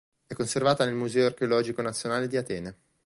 È conservata nel Museo Archeologico Nazionale di Atene.